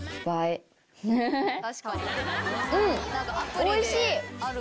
おいしい。